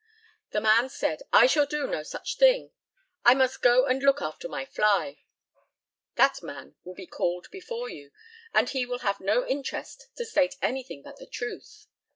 The man said, "I shall do no such thing. I must go and look after my fly." That man will be called before you, and he will have no interest to state anything but the truth.